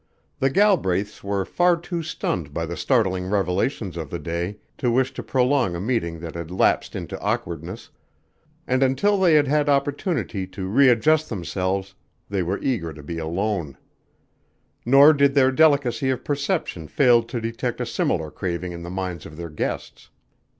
The Galbraiths were far too stunned by the startling revelations of the day to wish to prolong a meeting that had lapsed into awkwardness, and until they had had opportunity to readjust themselves they were eager to be alone; nor did their delicacy of perception fail to detect a similar craving in the minds of their guests.